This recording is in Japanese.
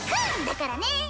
だからね。